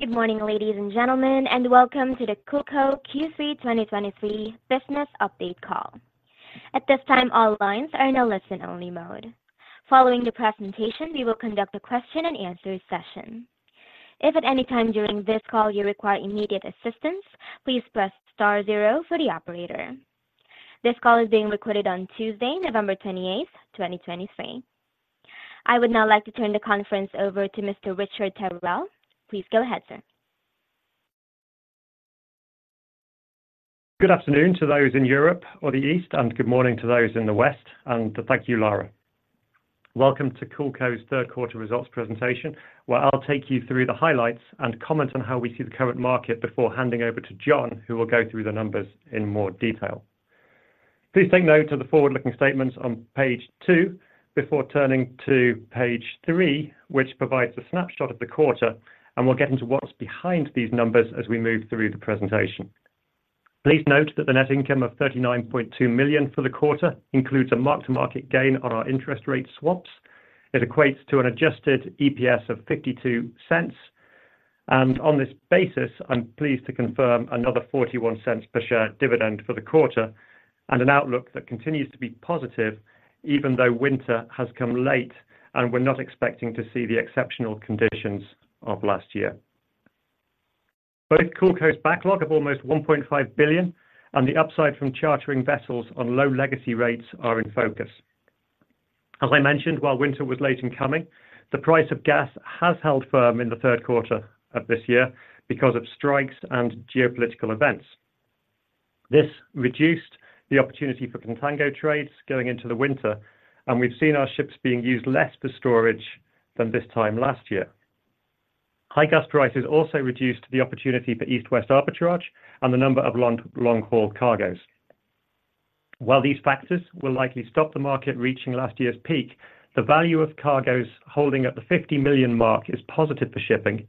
Good morning, ladies and gentlemen, and welcome to the CoolCo Q3 2023 Business Update Call. At this time, all lines are in a listen-only mode. Following the presentation, we will conduct a question and answer session. If at any time during this call you require immediate assistance, please press star zero for the operator. This call is being recorded on Tuesday, November 28, 2023. I would now like to turn the conference over to Mr. Richard Tyrrell. Please go ahead, sir. Good afternoon to those in Europe or the East, and good morning to those in the West, and thank you, Laura. Welcome to CoolCo's third quarter results presentation, where I'll take you through the highlights and comment on how we see the current market before handing over to John, who will go through the numbers in more detail. Please take note of the forward-looking statements on page two before turning to page three, which provides a snapshot of the quarter, and we'll get into what's behind these numbers as we move through the presentation. Please note that the net income of $39.2 million for the quarter includes a mark-to-market gain on our interest rate swaps. It equates to an adjusted EPS of $0.52, and on this basis, I'm pleased to confirm another $0.41 per share dividend for the quarter and an outlook that continues to be positive even though winter has come late and we're not expecting to see the exceptional conditions of last year. Both CoolCo's backlog of almost $1.5 billion and the upside from chartering vessels on low legacy rates are in focus. As I mentioned, while winter was late in coming, the price of gas has held firm in the third quarter of this year because of strikes and geopolitical events. This reduced the opportunity for contango trades going into the winter, and we've seen our ships being used less for storage than this time last year. High gas prices also reduced the opportunity for East-West arbitrage and the number of long, long-haul cargoes. While these factors will likely stop the market reaching last year's peak, the value of cargoes holding at the $50 million mark is positive for shipping,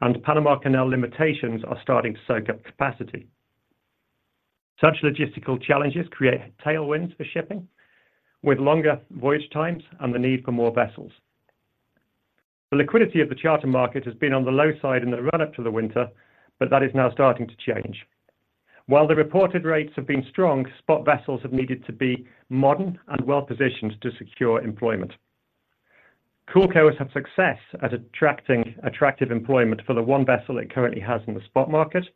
and Panama Canal limitations are starting to soak up capacity. Such logistical challenges create tailwinds for shipping, with longer voyage times and the need for more vessels. The liquidity of the charter market has been on the low side in the run-up to the winter, but that is now starting to change. While the reported rates have been strong, spot vessels have needed to be modern and well-positioned to secure employment. CoolCo has had success at attracting attractive employment for the one vessel it currently has in the spot market,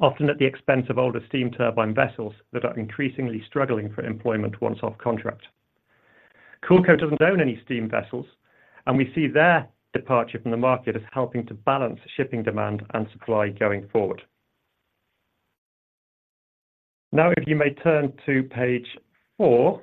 often at the expense of older steam turbine vessels that are increasingly struggling for employment once off contract. CoolCo doesn't own any steam vessels, and we see their departure from the market as helping to balance shipping demand and supply going forward. Now, if you may turn to page 4.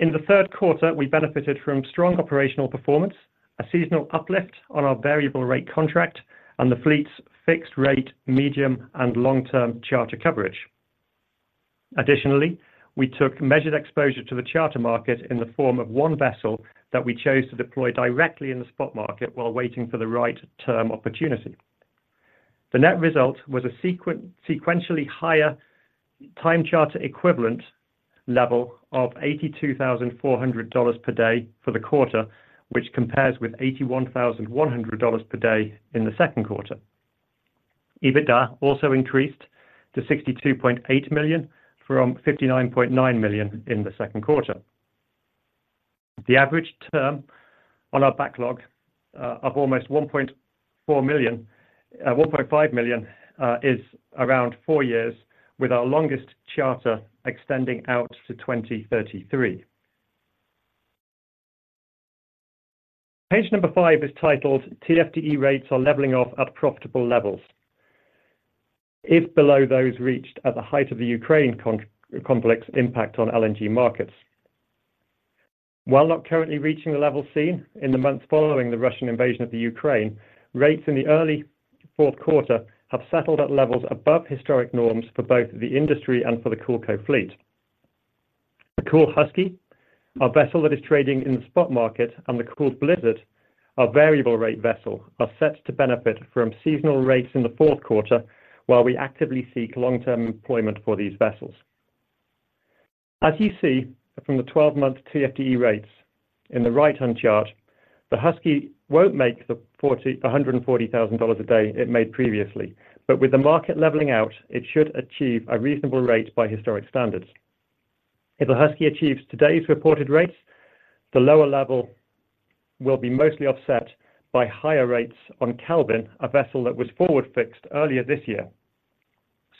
In the third quarter, we benefited from strong operational performance, a seasonal uplift on our variable rate contract, and the fleet's fixed rate, medium, and long-term charter coverage. Additionally, we took measured exposure to the charter market in the form of one vessel that we chose to deploy directly in the spot market while waiting for the right term opportunity. The net result was a sequentially higher time charter equivalent level of $82,400 per day for the quarter, which compares with $81,100 per day in the second quarter. EBITDA also increased to $62.8 million from $59.9 million in the second quarter. The average term on our backlog of almost $1.4 million, $1.5 million, is around four years, with our longest charter extending out to 2033. Page number five is titled "TFDE Rates are Leveling Off at Profitable Levels," still below those reached at the height of the Ukraine conflict's impact on LNG markets. While not currently reaching the levels seen in the months following the Russian invasion of Ukraine, rates in the early fourth quarter have settled at levels above historic norms for both the industry and for the CoolCo fleet. The Cool Husky, our vessel that is trading in the spot market, and the Cool Blizzard, our variable rate vessel, are set to benefit from seasonal rates in the fourth quarter while we actively seek long-term employment for these vessels. As you see from the 12-month TFDE rates in the right-hand chart, the Husky won't make a hundred and forty thousand dollars a day it made previously, but with the market leveling out, it should achieve a reasonable rate by historic standards. If the Husky achieves today's reported rates, the lower level will be mostly offset by higher rates on Kelvin, a vessel that was forward-fixed earlier this year.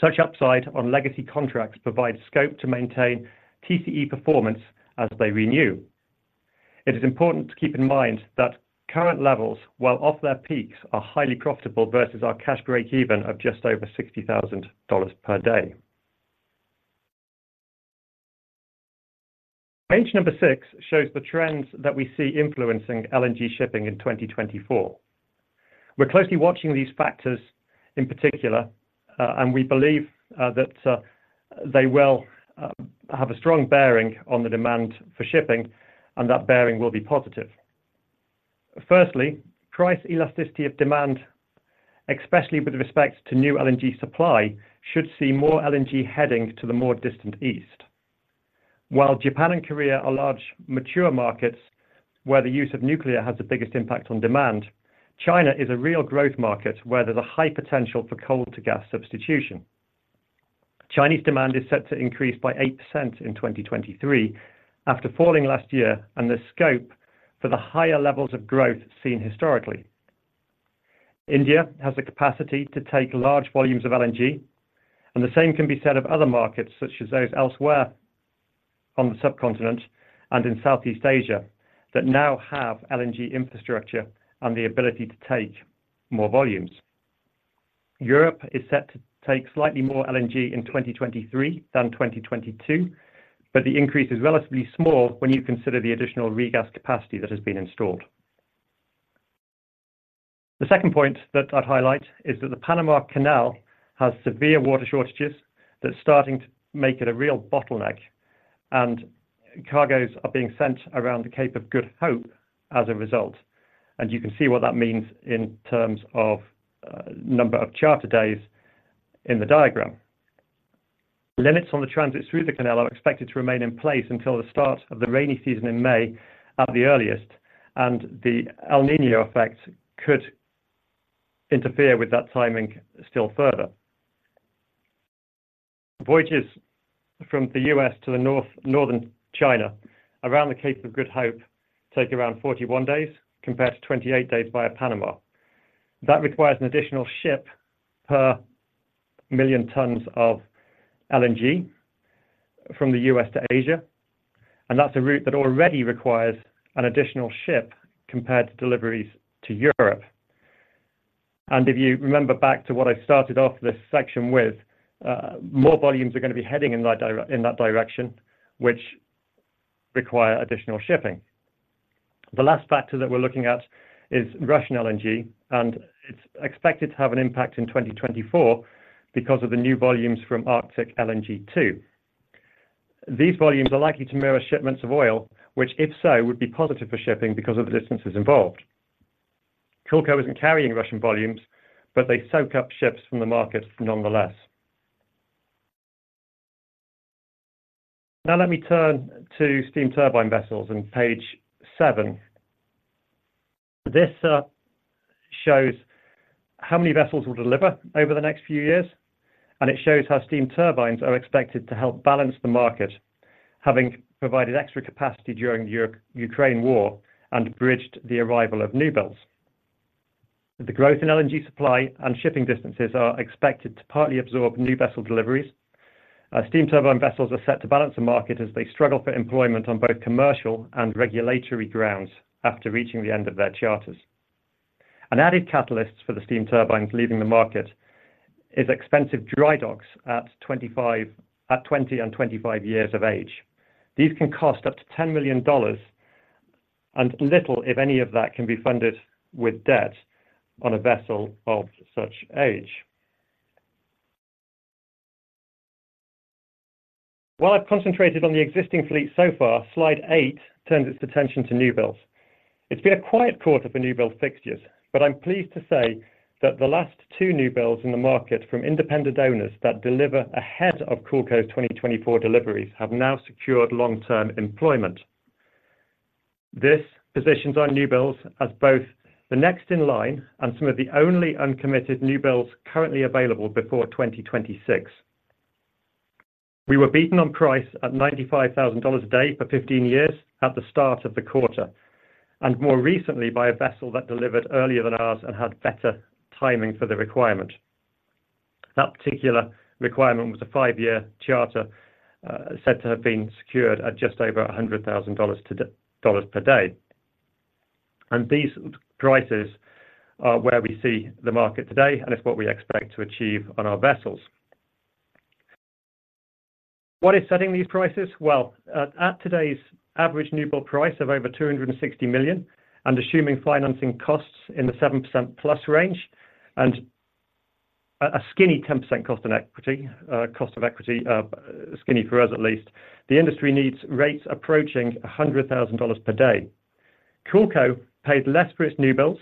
Such upside on legacy contracts provides scope to maintain TCE performance as they renew. It is important to keep in mind that current levels, while off their peaks, are highly profitable versus our cash breakeven of just over $60,000 per day. Page number six shows the trends that we see influencing LNG shipping in 2024. We're closely watching these factors in particular, and we believe that they will have a strong bearing on the demand for shipping, and that bearing will be positive. Firstly, price elasticity of demand, especially with respect to new LNG supply, should see more LNG heading to the more distant East.... While Japan and Korea are large, mature markets where the use of nuclear has the biggest impact on demand, China is a real growth market where there's a high potential for coal to gas substitution. Chinese demand is set to increase by 8% in 2023 after falling last year, and the scope for the higher levels of growth seen historically. India has the capacity to take large volumes of LNG, and the same can be said of other markets, such as those elsewhere on the subcontinent and in Southeast Asia, that now have LNG infrastructure and the ability to take more volumes. Europe is set to take slightly more LNG in 2023 than 2022, but the increase is relatively small when you consider the additional regas capacity that has been installed. The second point that I'd highlight is that the Panama Canal has severe water shortages that are starting to make it a real bottleneck, and cargos are being sent around the Cape of Good Hope as a result. And you can see what that means in terms of number of charter days in the diagram. Limits on the transit through the canal are expected to remain in place until the start of the rainy season in May, at the earliest, and the El Niño effect could interfere with that timing still further. Voyages from the U.S. to the North, Northern China, around the Cape of Good Hope, take around 41 days, compared to 28 days via Panama. That requires an additional ship per million tons of LNG from the U.S. to Asia, and that's a route that already requires an additional ship compared to deliveries to Europe. And if you remember back to what I started off this section with, more volumes are going to be heading in that direction, which require additional shipping. The last factor that we're looking at is Russian LNG, and it's expected to have an impact in 2024 because of the new volumes from Arctic LNG 2. These volumes are likely to mirror shipments of oil, which, if so, would be positive for shipping because of the distances involved. CoolCo isn't carrying Russian volumes, but they soak up ships from the market nonetheless. Now let me turn to steam turbine vessels on page seven. This shows how many vessels will deliver over the next few years, and it shows how steam turbines are expected to help balance the market, having provided extra capacity during the Europe-Ukraine war and bridged the arrival of new builds. The growth in LNG supply and shipping distances are expected to partly absorb new vessel deliveries. Steam turbine vessels are set to balance the market as they struggle for employment on both commercial and regulatory grounds after reaching the end of their charters. An added catalyst for the steam turbines leaving the market is expensive dry docks at 25, at 20 and 25 years of age. These can cost up to $10 million, and little, if any of that, can be funded with debt on a vessel of such age. While I've concentrated on the existing fleet so far, slide 8 turns its attention to new builds. It's been a quiet quarter for new build fixtures, but I'm pleased to say that the last two new builds in the market from independent owners that deliver ahead of CoolCo's 2024 deliveries have now secured long-term employment. This positions our new builds as both the next in line and some of the only uncommitted new builds currently available before 2026. We were beaten on price at $95,000 a day for 15 years at the start of the quarter, and more recently by a vessel that delivered earlier than ours and had better timing for the requirement. That particular requirement was a five-year charter, said to have been secured at just over $100,000 a day. And these prices are where we see the market today, and it's what we expect to achieve on our vessels. What is setting these prices? Well, at today's average new build price of over $260 million, and assuming financing costs in the 7%+ range, and a skinny 10% cost of equity, skinny for us at least, the industry needs rates approaching $100,000 per day. CoolCo paid less for its new builds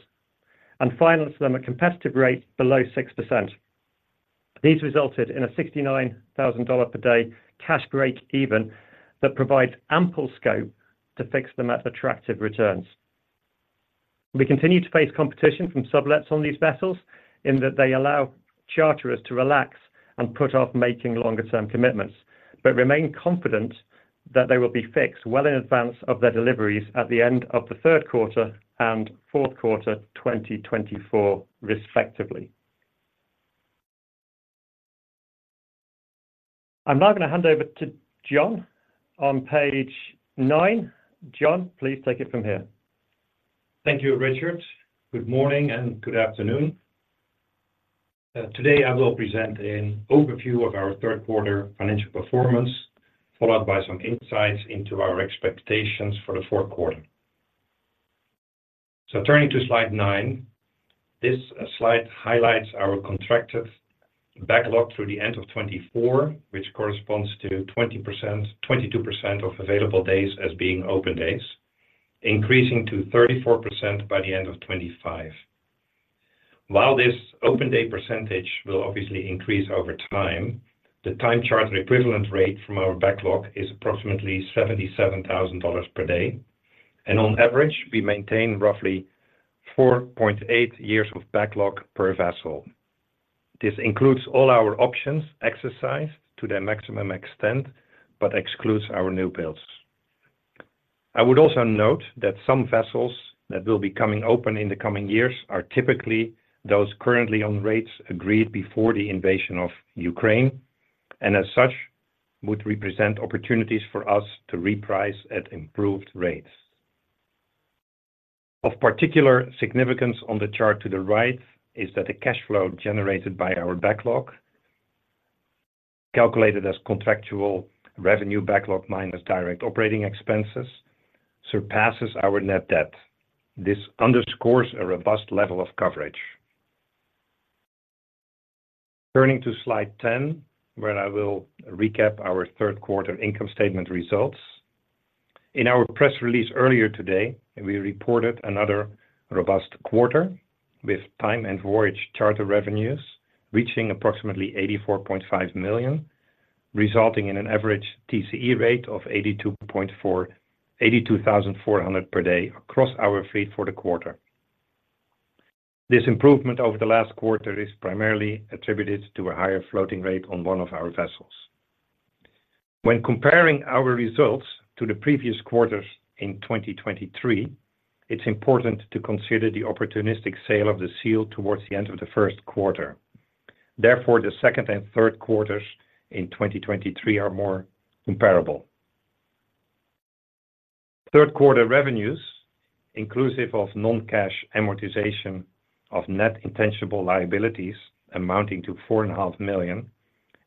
and financed them at a competitive rate below 6%. These resulted in a $69,000 per day cash break even that provides ample scope to fix them at attractive returns. We continue to face competition from sublets on these vessels in that they allow charterers to relax and put off making longer-term commitments, but remain confident that they will be fixed well in advance of their deliveries at the end of the third quarter and fourth quarter, 2024, respectively. I'm now going to hand over to John on page nine. John, please take it from here. Thank you, Richard. Good morning and good afternoon. Today I will present an overview of our third quarter financial performance, followed by some insights into our expectations for the fourth quarter. So turning to slide 9, this slide highlights our contracted backlog through the end of 2024, which corresponds to 20%-22% of available days as being open days, increasing to 34% by the end of 2025.... While this open day percentage will obviously increase over time, the time charter equivalent rate from our backlog is approximately $77,000 per day, and on average, we maintain roughly 4.8 years of backlog per vessel. This includes all our options exercised to their maximum extent, but excludes our new builds. I would also note that some vessels that will be coming open in the coming years are typically those currently on rates agreed before the invasion of Ukraine, and as such, would represent opportunities for us to reprice at improved rates. Of particular significance on the chart to the right is that the cash flow generated by our backlog, calculated as contractual revenue backlog minus direct operating expenses, surpasses our net debt. This underscores a robust level of coverage. Turning to Slide 10, where I will recap our third quarter income statement results. In our press release earlier today, we reported another robust quarter, with time and voyage charter revenues reaching approximately $84.5 million, resulting in an average TCE rate of $82,400 per day across our fleet for the quarter. This improvement over the last quarter is primarily attributed to a higher floating rate on one of our vessels. When comparing our results to the previous quarters in 2023, it's important to consider the opportunistic sale of the vessel towards the end of the first quarter. Therefore, the second and third quarters in 2023 are more comparable. Third quarter revenues, inclusive of non-cash amortization of net intangible liabilities amounting to $4.5 million,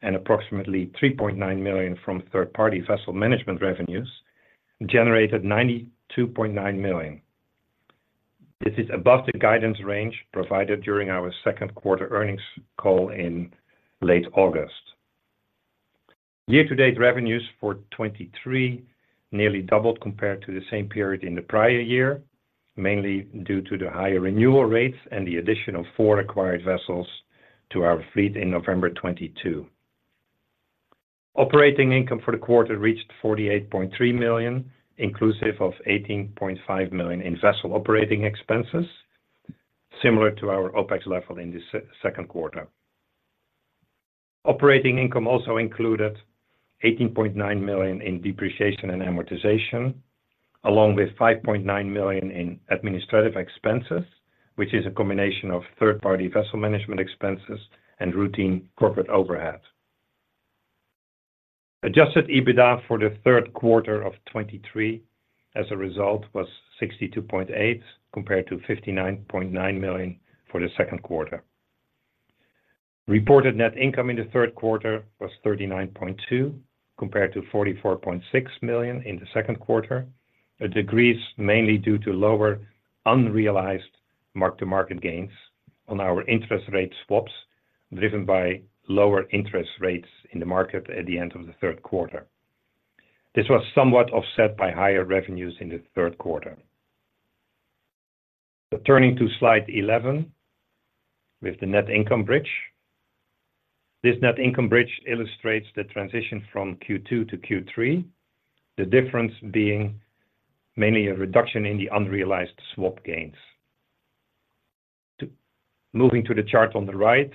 and approximately $3.9 million from third-party vessel management revenues, generated $92.9 million. This is above the guidance range provided during our second quarter earnings call in late August. Year-to-date revenues for 2023 nearly doubled compared to the same period in the prior year, mainly due to the higher renewal rates and the addition of four acquired vessels to our fleet in November 2022. Operating income for the quarter reached $48.3 million, inclusive of $18.5 million in vessel operating expenses, similar to our OpEx level in the second quarter. Operating income also included $18.9 million in depreciation and amortization, along with $5.9 million in administrative expenses, which is a combination of third-party vessel management expenses and routine corporate overhead. Adjusted EBITDA for the third quarter of 2023, as a result, was $62.8 million, compared to $59.9 million for the second quarter. Reported net income in the third quarter was $39.2 million, compared to $44.6 million in the second quarter. A decrease mainly due to lower unrealized mark-to-market gains on our interest rate swaps, driven by lower interest rates in the market at the end of the third quarter. This was somewhat offset by higher revenues in the third quarter. Turning to Slide 11, with the net income bridge. This net income bridge illustrates the transition from Q2 to Q3. The difference being mainly a reduction in the unrealized swap gains. Moving to the chart on the right,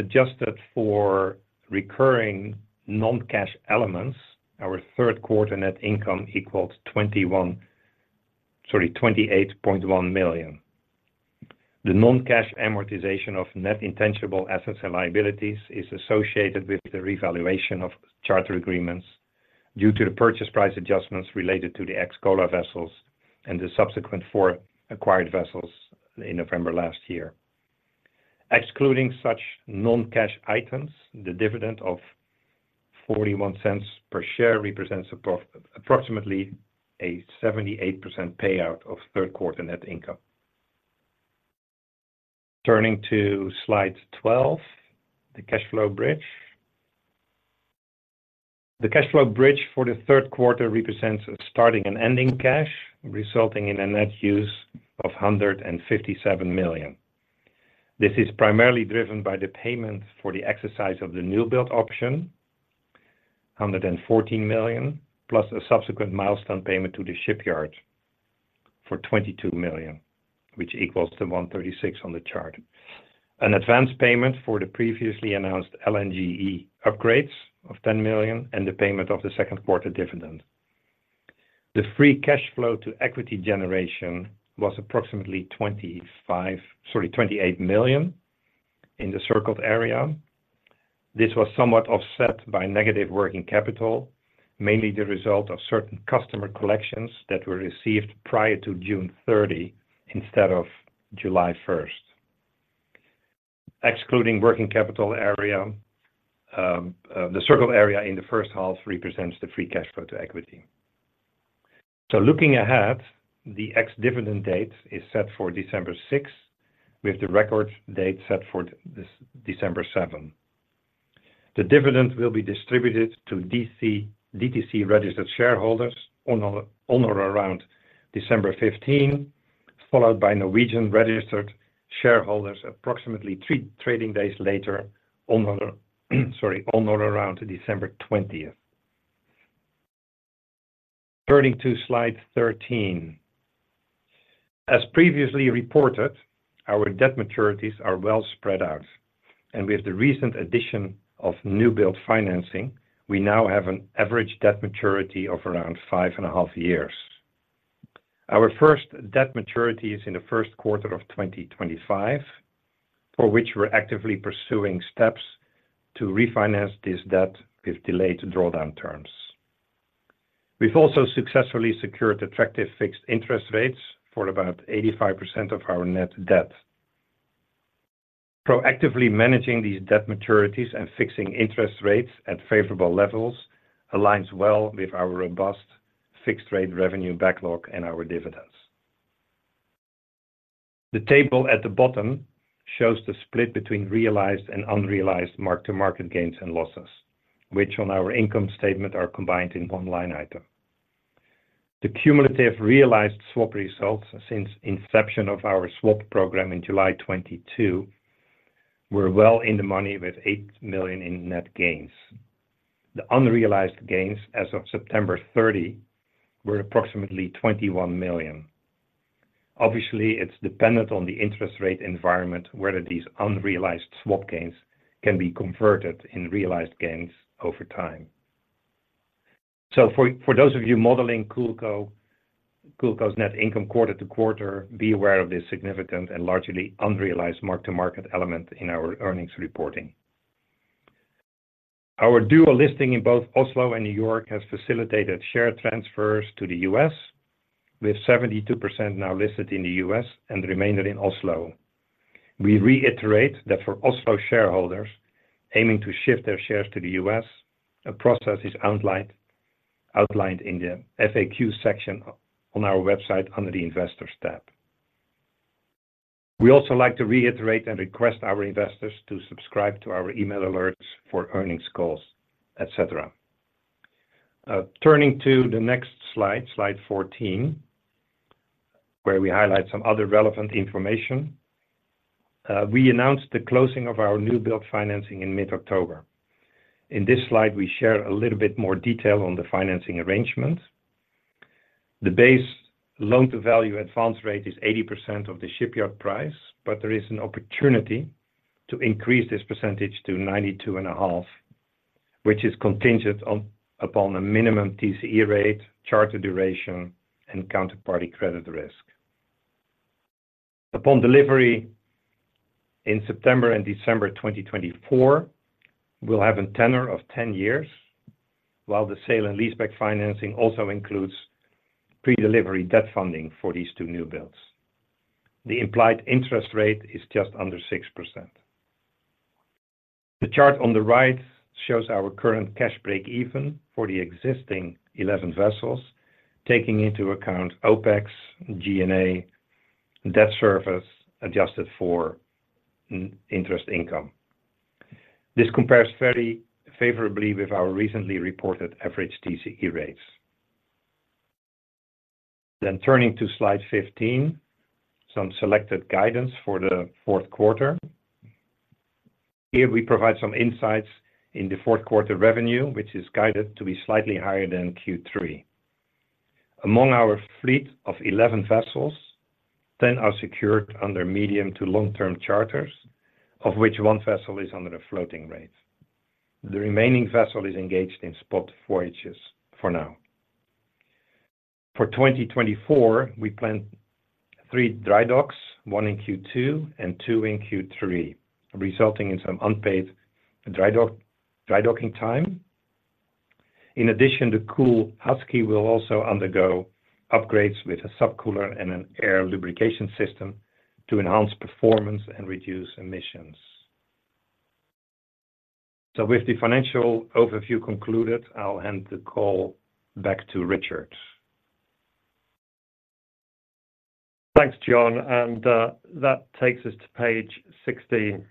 adjusted for recurring non-cash elements, our third quarter net income equals 21, sorry, $28.1 million. The non-cash amortization of net intangible assets and liabilities is associated with the revaluation of charter agreements due to the purchase price adjustments related to the ex-Golar vessels and the subsequent four acquired vessels in November last year. Excluding such non-cash items, the dividend of $0.41 per share represents approximately a 78% payout of third quarter net income. Turning to Slide 12, the cash flow bridge. The cash flow bridge for the third quarter represents a starting and ending cash, resulting in a net use of $157 million. This is primarily driven by the payment for the exercise of the new build option, $114 million, plus a subsequent milestone payment to the shipyard for $22 million, which equals the 136 on the chart. An advance payment for the previously announced LNGe upgrades of $10 million, and the payment of the second quarter dividend. The free cash flow to equity generation was approximately 25, sorry, 28 million in the circled area. This was somewhat offset by negative working capital, mainly the result of certain customer collections that were received prior to June 30 instead of July first. Excluding working capital area, the circle area in the first half represents the free cash flow to equity. So looking ahead, the ex-dividend date is set for December six, with the record date set for December seven. The dividend will be distributed to DTC-registered shareholders on or around December 15, followed by Norwegian-registered shareholders approximately three trading days later, on or around December 20. Turning to slide 13. As previously reported, our debt maturities are well spread out, and with the recent addition of new build financing, we now have an average debt maturity of around 5.5 years. Our first debt maturity is in the first quarter of 2025, for which we're actively pursuing steps to refinance this debt with delayed drawdown terms. We've also successfully secured attractive fixed interest rates for about 85% of our net debt. Proactively managing these debt maturities and fixing interest rates at favorable levels aligns well with our robust fixed-rate revenue backlog and our dividends. The table at the bottom shows the split between realized and unrealized mark-to-market gains and losses, which on our income statement, are combined in one line item. The cumulative realized swap results since inception of our swap program in July 2022, were well in the money, with $8 million in net gains. The unrealized gains as of September 30, were approximately $21 million. Obviously, it's dependent on the interest rate environment whether these unrealized swap gains can be converted in realized gains over time. So for those of you modeling CoolCo, CoolCo's net income quarter to quarter, be aware of this significant and largely unrealized mark-to-market element in our earnings reporting. Our dual listing in both Oslo and New York has facilitated share transfers to the U.S., with 72% now listed in the U.S. and the remainder in Oslo. We reiterate that for Oslo shareholders aiming to shift their shares to the US, a process is outlined in the FAQ section on our website under the Investors tab. We also like to reiterate and request our investors to subscribe to our email alerts for earnings calls, et cetera. Turning to the next slide, slide 14, where we highlight some other relevant information. We announced the closing of our new build financing in mid-October. In this slide, we share a little bit more detail on the financing arrangements. The base loan-to-value advance rate is 80% of the shipyard price, but there is an opportunity to increase this percentage to 92.5, which is contingent upon a minimum TCE rate, charter duration, and counterparty credit risk. Upon delivery in September and December 2024, we'll have a tenor of 10 years, while the sale and leaseback financing also includes pre-delivery debt funding for these two new builds. The implied interest rate is just under 6%. The chart on the right shows our current cash breakeven for the existing 11 vessels, taking into account OpEx, G&A, debt service, adjusted for interest income. This compares very favorably with our recently reported average TCE rates. Then turning to slide 15, some selected guidance for the fourth quarter. Here, we provide some insights into the fourth quarter revenue, which is guided to be slightly higher than Q3. Among our fleet of 11 vessels, 10 are secured under medium to long-term charters, of which 1 vessel is under a floating rate. The remaining vessel is engaged in spot voyages for now. For 2024, we plan three dry docks, one in Q2 and two in Q3, resulting in some unpaid dry dock, dry docking time. In addition, the Cool Husky will also undergo upgrades with a sub-cooler and an air lubrication system to enhance performance and reduce emissions. With the financial overview concluded, I'll hand the call back to Richard. Thanks, John, and that takes us to page 16.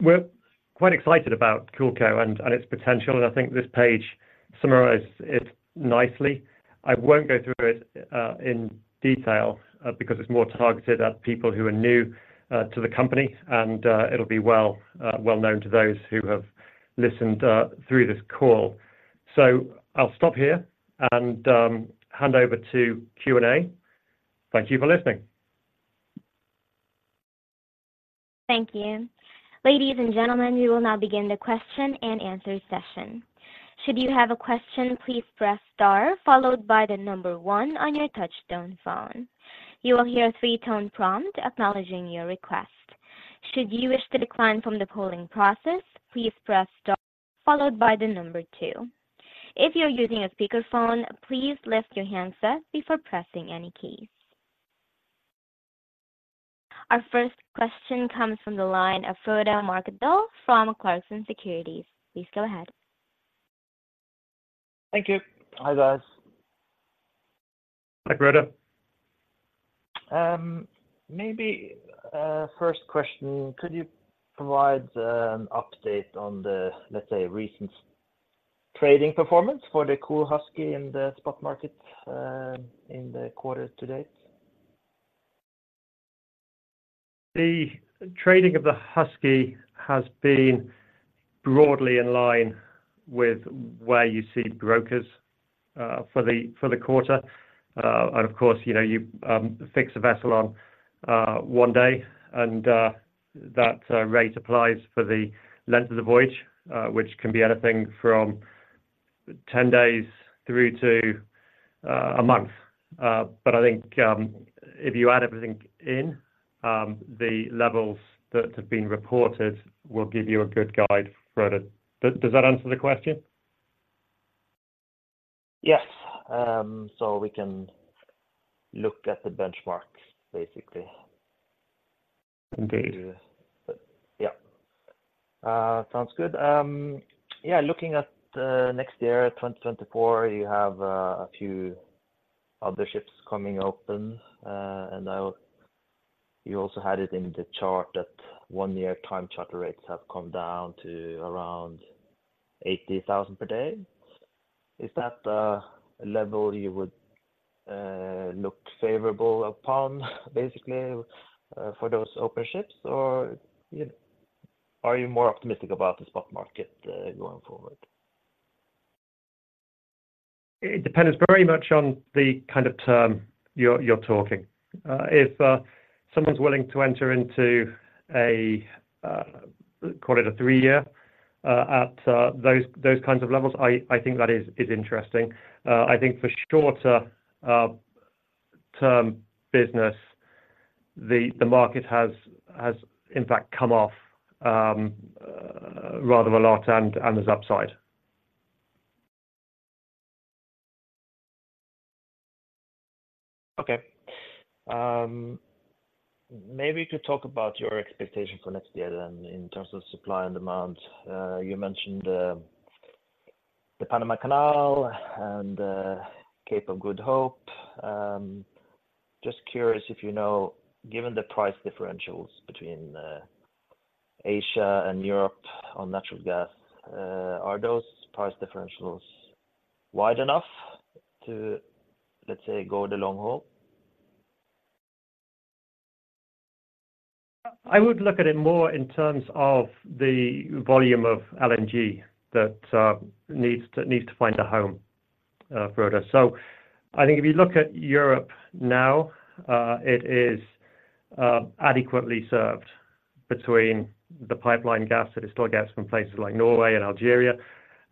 We're quite excited about CoolCo and its potential, and I think this page summarizes it nicely. I won't go through it in detail because it's more targeted at people who are new to the company, and it'll be well, well known to those who have listened through this call. So I'll stop here and hand over to Q&A. Thank you for listening. Thank you. Ladies and gentlemen, we will now begin the question-and-answer session. Should you have a question, please press star followed by the number one on your touchtone phone. You will hear a three-tone prompt acknowledging your request. Should you wish to decline from the polling process, please press star followed by the number two. If you're using a speakerphone, please lift your handset before pressing any keys. Our first question comes from the line of Frode Mørkedal from Clarksons Securities. Please go ahead.... Thank you. Hi, guys. Hi, Frode. Maybe, first question, could you provide an update on the, let's say, recent trading performance for the Cool Husky in the spot market, in the quarter to date? The trading of the Husky has been broadly in line with where you see brokers for the quarter. And of course, you know, you fix a vessel on one day, and that rate applies for the length of the voyage, which can be anything from 10 days through to a month. But I think, if you add everything in, the levels that have been reported will give you a good guide for it. Does that answer the question? Yes. So we can look at the benchmarks, basically. Indeed. Yeah. Sounds good. Yeah, looking at next year, 2024, you have a few other ships coming open. And you also had it in the chart that one year time charter rates have come down to around $80,000 per day. Is that the level you would look favorable upon, basically, for those open ships? Or are you more optimistic about the spot market going forward? It depends very much on the kind of term you're talking. If someone's willing to enter into a call it a three-year at those kinds of levels, I think that is interesting. I think for shorter term business, the market has in fact come off rather a lot and there's upside. Okay. Maybe you could talk about your expectations for next year then, in terms of supply and demand. You mentioned the Panama Canal and Cape of Good Hope. Just curious if you know, given the price differentials between Asia and Europe on natural gas, are those price differentials wide enough to, let's say, go the long haul? I would look at it more in terms of the volume of LNG that needs to find a home for us. So I think if you look at Europe now, it is adequately served between the pipeline gas, that is still gas from places like Norway and Algeria,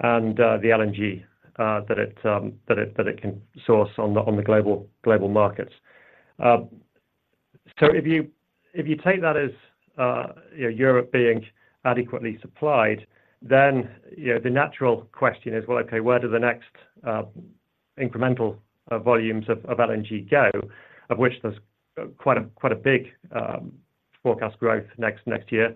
and the LNG that it can source on the global markets. So if you take that as you know, Europe being adequately supplied, then you know, the natural question is, well, okay, where do the next incremental volumes of LNG go? Of which there's quite a big forecast growth next year.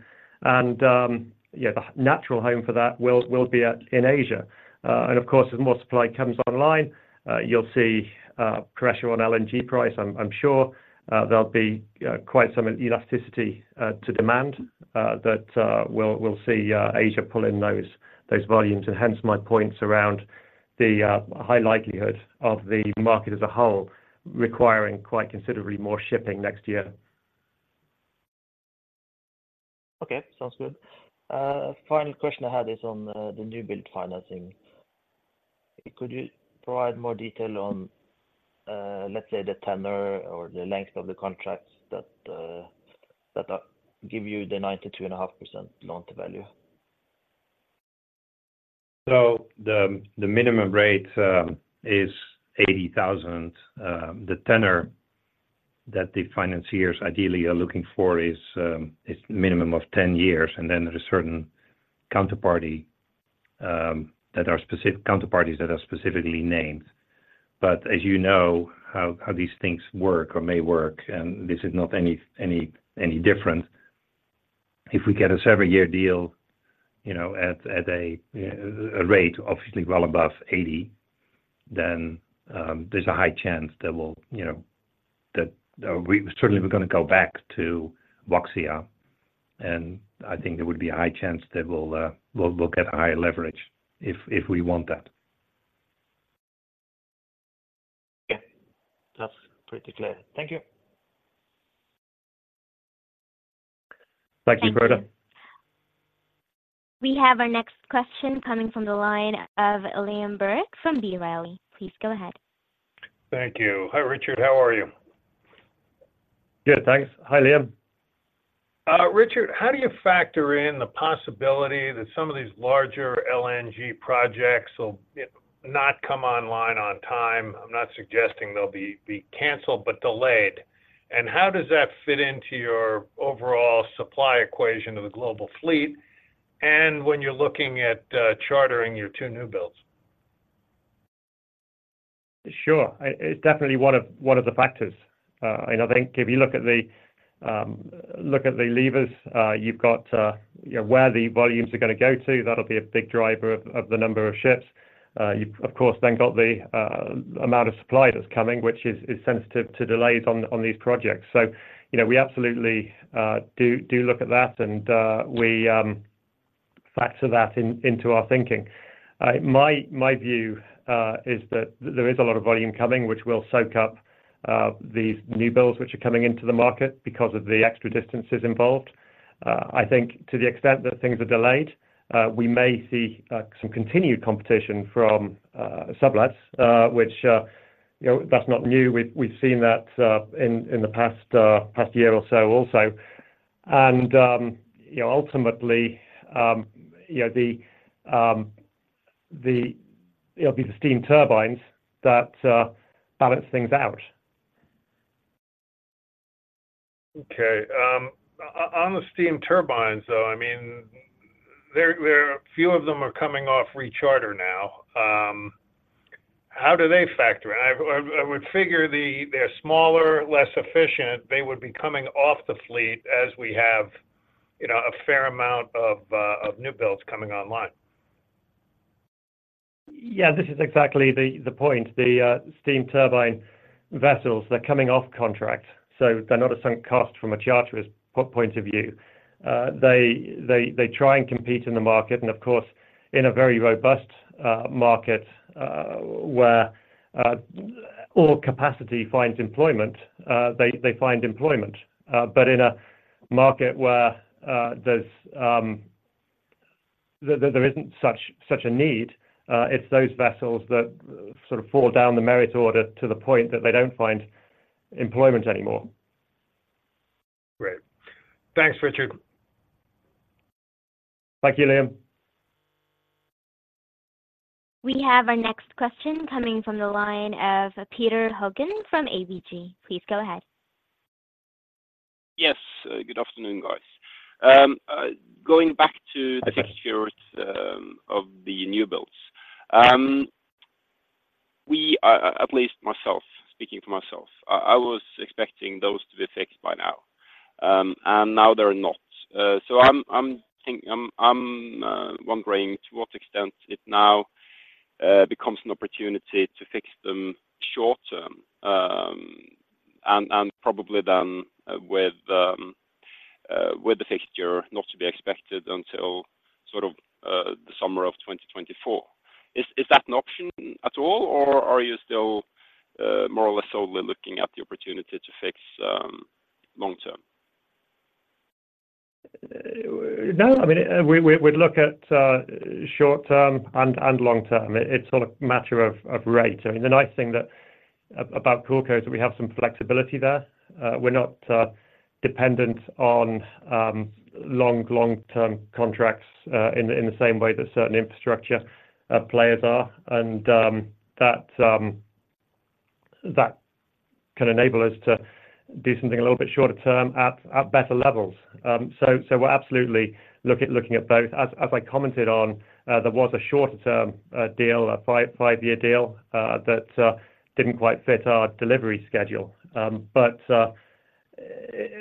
Yeah, the natural home for that will be in Asia. And of course, as more supply comes online, you'll see pressure on LNG price. I'm sure there'll be quite some elasticity to demand that we'll see Asia pull in those volumes, and hence my points around the high likelihood of the market as a whole requiring quite considerably more shipping next year. Okay, sounds good. Final question I had is on the new build financing. Could you provide more detail on, let's say, the tenor or the length of the contracts that that give you the 92.5% loan-to-value? So the minimum rate is $80,000. The tenor that the financiers ideally are looking for is minimum of 10 years, and then there are certain counterparty that are specific counterparties that are specifically named. But as you know, how these things work or may work, and this is not any different. If we get a several year deal, you know, at a rate obviously well above 80, then there's a high chance that we'll, you know, that we certainly we're gonna go back to Huaxia, and I think there would be a high chance that we'll get higher leverage if we want that. Okay. That's pretty clear. Thank you. Thank you, Frode. We have our next question coming from the line of Liam Burke from B. Riley. Please go ahead. Thank you. Hi, Richard. How are you? Good, thanks. Hi, Liam. Richard, how do you factor in the possibility that some of these larger LNG projects will not come online on time? I'm not suggesting they'll be canceled, but delayed. How does that fit into your overall supply equation of the global fleet, and when you're looking at chartering your two new builds?... Sure. It's definitely one of, one of the factors. And I think if you look at the levers, you've got, you know, where the volumes are gonna go to, that'll be a big driver of the number of ships. You've, of course, then got the amount of supply that's coming, which is sensitive to delays on these projects. So, you know, we absolutely do look at that, and we factor that into our thinking. My view is that there is a lot of volume coming, which will soak up these new builds which are coming into the market because of the extra distances involved. I think to the extent that things are delayed, we may see some continued competition from sublets, which, you know, that's not new. We've seen that in the past year or so also. And you know, ultimately, you know, it'll be the steam turbines that balance things out. Okay. On the steam turbines, though, I mean, there are a few of them coming off recharter now. How do they factor in? I would figure they're smaller, less efficient. They would be coming off the fleet as we have, you know, a fair amount of new builds coming online. Yeah, this is exactly the point. The steam turbine vessels, they're coming off contract, so they're not a sunk cost from a charterer's point of view. They try and compete in the market, and of course, in a very robust market, where all capacity finds employment, they find employment. But in a market where there isn't such a need, it's those vessels that sort of fall down the merit order to the point that they don't find employment anymore. Great. Thanks, Richard. Thank you, Liam. We have our next question coming from the line of Petter Haugen from ABG. Please go ahead. Yes. Good afternoon, guys. Going back to the fixtures of the new builds, we, at least myself, speaking for myself, I was expecting those to be fixed by now, and now they're not. So I'm wondering to what extent it now becomes an opportunity to fix them short term, and probably then with the fixture not to be expected until sort of the summer of 2024. Is that an option at all, or are you still more or less solely looking at the opportunity to fix long term? No, I mean, we, we'd look at short term and long term. It's sort of matter of rate. I mean, the nice thing about CoolCo is that we have some flexibility there. We're not dependent on long-term contracts in the same way that certain infrastructure players are. And that can enable us to do something a little bit shorter term at better levels. So we're absolutely looking at both. As I commented on, there was a shorter term deal, a 5-year deal that didn't quite fit our delivery schedule. But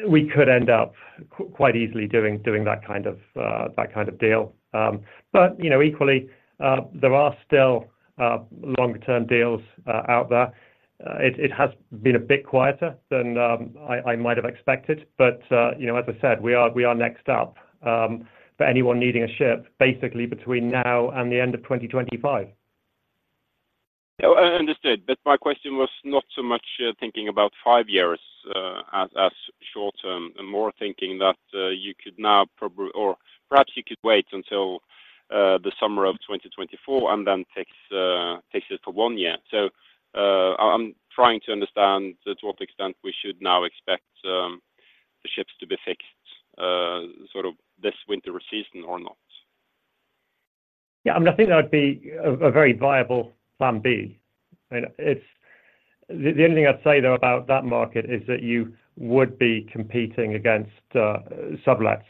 we could end up quite easily doing that kind of deal. But, you know, equally, there are still longer-term deals out there. It has been a bit quieter than I might have expected, but, you know, as I said, we are next up for anyone needing a ship, basically between now and the end of 2025. Yeah, understood. But my question was not so much thinking about five years, as short term, and more thinking that, you could now or perhaps you could wait until, the summer of 2024 and then fix, fix it for one year. So, I, I'm trying to understand to what extent we should now expect, the ships to be fixed, sort of this winter season or not? Yeah, I mean, I think that would be a very viable plan B. And it's the only thing I'd say, though, about that market is that you would be competing against sublets,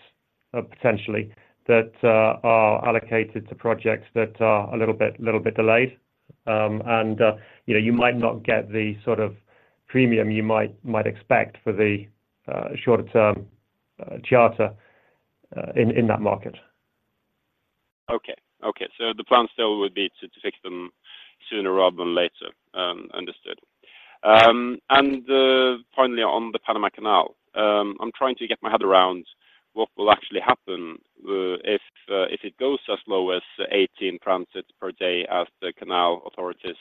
potentially, that are allocated to projects that are a little bit, little bit delayed. And you know, you might not get the sort of premium you might, might expect for the shorter term charter in that market. Okay. Okay, so the plan still would be to, to fix them sooner rather than later. Understood. And finally, on the Panama Canal, I'm trying to get my head around what will actually happen if it goes as low as 18 transits per day as the canal authorities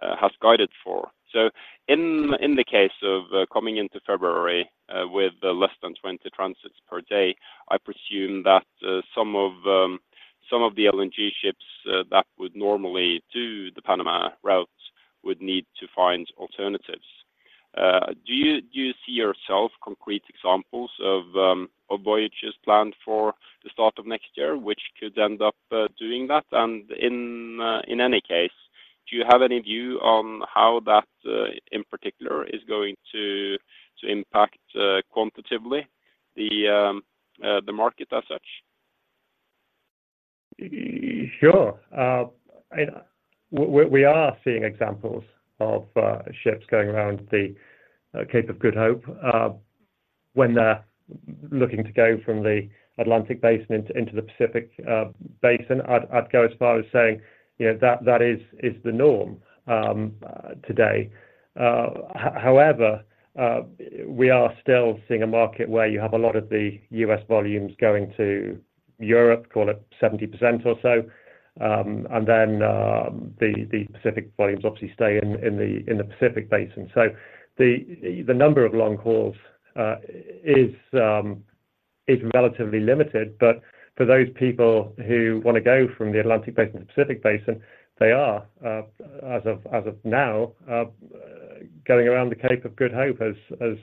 has guided for. So in, in the case of coming into February with less than 20 transits per day, I presume that some of some of the LNG ships that would normally do the Panama routes would need to find alternatives. Do you, do you see yourself concrete examples of of voyages planned for the start of next year, which could end up doing that? In any case, do you have any view on how that in particular is going to impact quantitatively the market as such?... Sure. And we are seeing examples of ships going around the Cape of Good Hope when they're looking to go from the Atlantic Basin into the Pacific Basin. I'd go as far as saying, you know, that is the norm today. However, we are still seeing a market where you have a lot of the U.S. volumes going to Europe, call it 70% or so. And then the Pacific volumes obviously stay in the Pacific Basin. So the number of long hauls is relatively limited, but for those people who want to go from the Atlantic Basin to Pacific Basin, they are, as of now, going around the Cape of Good Hope as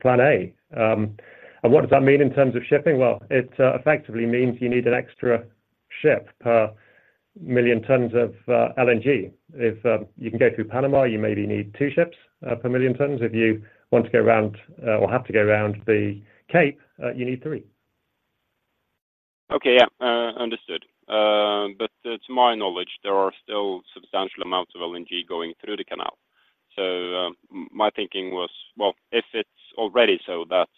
plan A. What does that mean in terms of shipping? Well, it effectively means you need an extra ship per 1 million tons of LNG. If you can go through Panama, you maybe need two ships per 1 million tons. If you want to go around or have to go around the Cape, you need three. Okay, yeah. Understood. But, to my knowledge, there are still substantial amounts of LNG going through the canal. So, my thinking was, well, if it's already so that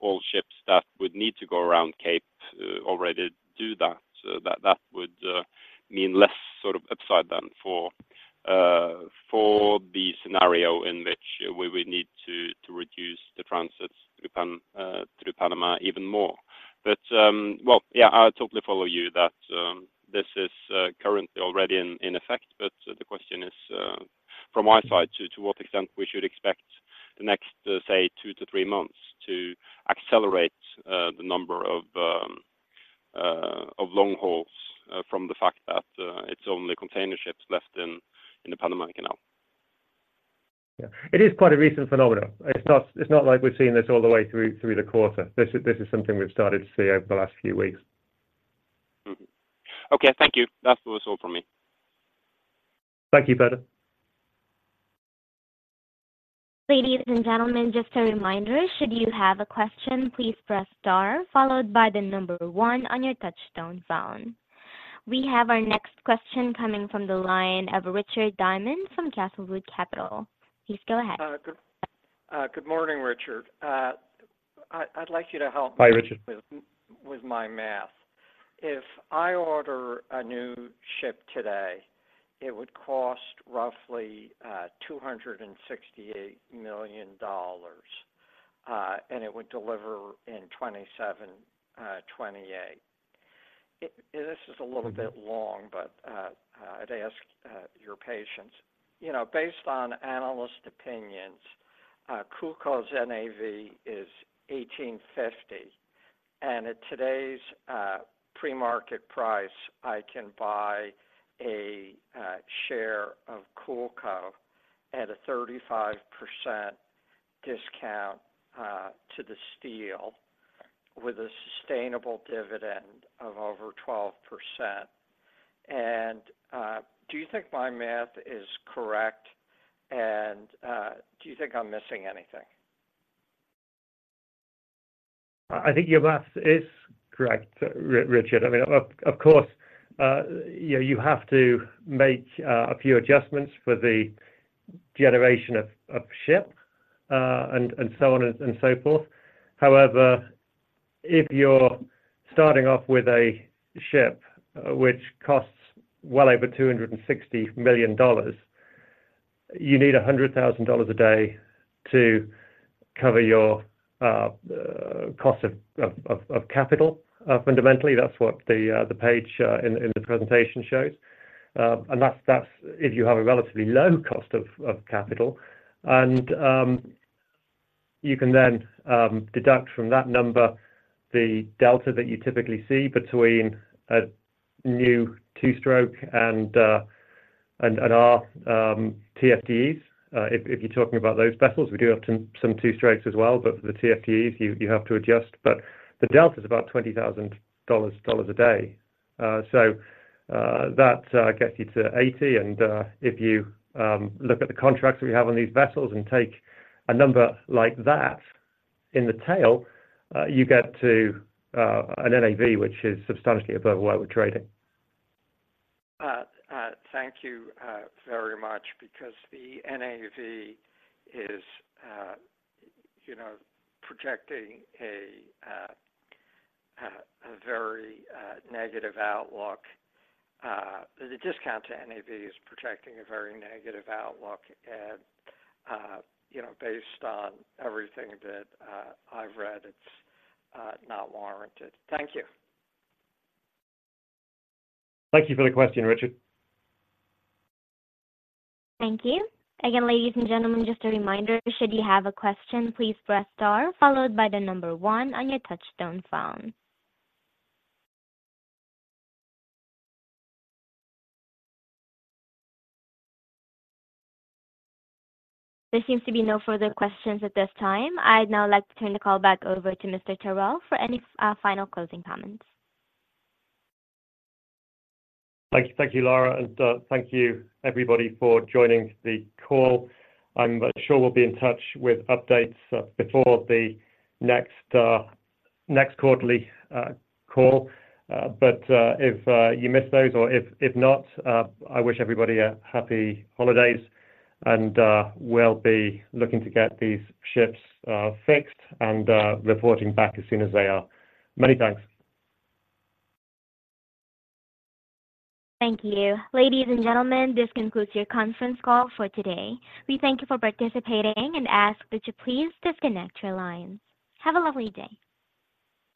all ships that would need to go around Cape already do that, so that that would mean less sort of upside down for the scenario in which we would need to reduce the transits through Pan- through Panama even more. But, well, yeah, I totally follow you that this is currently already in effect, but the question is, from my side to what extent we should expect the next, say, two to three months to accelerate the number of long hauls from the fact that it's only container ships left in the Panama Canal? Yeah. It is quite a recent phenomenon. It's not, it's not like we've seen this all the way through, through the quarter. This is, this is something we've started to see over the last few weeks. Mm-hmm. Okay, thank you. That was all from me. Thank you, Petter. Ladies and gentlemen, just a reminder, should you have a question, please press star followed by the number one on your touchtone phone. We have our next question coming from the line of Richard Diamond from Castlewood Capital. Please go ahead. Good morning, Richard. I'd like you to help- Hi, Richard With my math. If I order a new ship today, it would cost roughly $268 million, and it would deliver in 2027, 2028. This is a little bit long, but I'd ask your patience. You know, based on analyst opinions, CoolCo's NAV is $18.50, and at today's pre-market price, I can buy a share of CoolCo at a 35% discount to the NAV with a sustainable dividend of over 12%. And do you think my math is correct, and do you think I'm missing anything? I think your math is correct, Richard. I mean, of course, you know, you have to make a few adjustments for the generation of ship, and so on and so forth. However, if you're starting off with a ship which costs well over $260 million, you need $100,000 a day to cover your cost of capital. Fundamentally, that's what the page in the presentation shows. And that's if you have a relatively low cost of capital. And you can then deduct from that number the delta that you typically see between a new two-stroke and our TFDEs. If you're talking about those vessels, we do have some two-strokes as well, but for the TFDEs, you have to adjust. But the delta is about $20,000 a day. So that gets you to 80 and if you look at the contracts we have on these vessels and take a number like that in the tail, you get to an NAV, which is substantially above where we're trading. Thank you very much because the NAV is, you know, projecting a very negative outlook. The discount to NAV is projecting a very negative outlook, and, you know, based on everything that I've read, it's not warranted. Thank you. Thank you for the question, Richard. Thank you. Again, ladies and gentlemen, just a reminder, should you have a question, please press star followed by the number one on your touchtone phone. There seems to be no further questions at this time. I'd now like to turn the call back over to Mr. Tyrrell for any final closing comments. Thank you. Thank you, Laura, and thank you everybody for joining the call. I'm sure we'll be in touch with updates before the next quarterly call. But if you miss those or if not, I wish everybody a happy holidays and we'll be looking to get these ships fixed and reporting back as soon as they are. Many thanks. Thank you. Ladies and gentlemen, this concludes your conference call for today. We thank you for participating and ask that you please disconnect your lines. Have a lovely day.